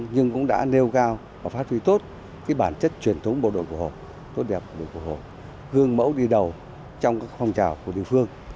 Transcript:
nhưng cũng đã nêu cao và phát huy tốt bản chất truyền thống bộ đội của họ tốt đẹp của đội của họ gương mẫu đi đầu trong các phong trào của địa phương